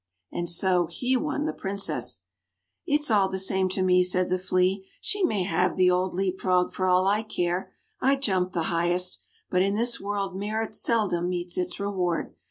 And so he won the Princess. "It's all the same to me," said the Flea. "She may have the old Leap frog, for all I care. I jumped the highest; but in this world merit seldom meets its reward.